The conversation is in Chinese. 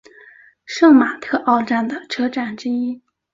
圣马特奥站的车站之一。